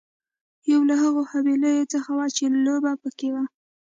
یو له هغو حويليو څخه وه چې لوبه پکې وه.